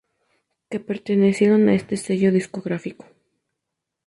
Que pertenecieron a este sello discográfico.